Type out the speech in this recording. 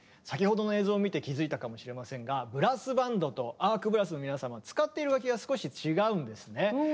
先ほどの映像を見て気付いたかもしれませんがブラスバンドとＡＲＫＢＲＡＳＳの皆様使っている楽器が少し違うんですね。